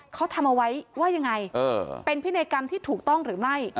เขาทำเอาไว้ว่ายังไงเป็นพินัยกรรมที่ถูกต้องหรือไม่